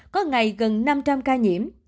có ngày gần năm trăm linh ca nhiễm